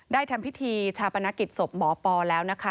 ทำพิธีชาปนกิจศพหมอปอแล้วนะคะ